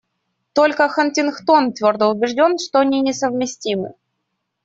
Только Хантингтон твердо убежден, что они несовместимы.